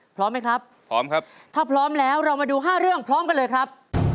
พร้อมไหมครับพร้อมครับถ้าพร้อมแล้วเรามาดู๕เรื่องพร้อมกันเลยครับ